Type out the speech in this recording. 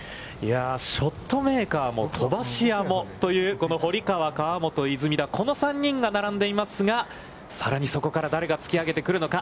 ショットメーカーも飛ばし屋もというこの堀川、河本、出水田、この３人が並んでいますが、さらにそこから誰が突き上げてくるのか。